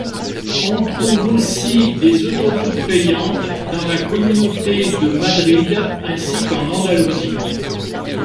On trouve aussi des autoroutes payantes dans la Communauté de Madrid ainsi qu'en Andalousie.